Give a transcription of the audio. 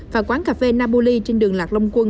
và quán cà phê naboli trên đường lạc long quân